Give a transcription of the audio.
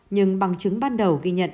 nhưng bằng chứng ban đầu ghi nhận